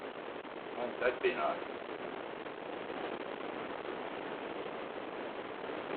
Won't that be nice?